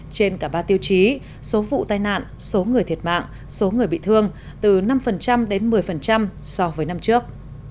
trên cả ba tiêu chí số vụ tai nạn số người thiệt mạng số người bị thương từ năm đến một mươi so với năm trước